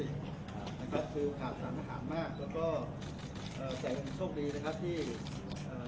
นะครับคือขาดสันทหารมากแล้วก็เอ่อแต่ยังโชคดีนะครับที่เอ่อ